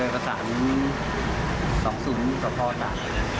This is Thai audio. ประสานสองศูนย์สองพ่อจาก